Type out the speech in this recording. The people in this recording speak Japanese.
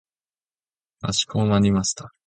かしこまりました。